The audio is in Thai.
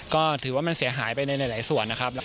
ก็ถือว่ามันเสียหายไปในหลายส่วนนะครับ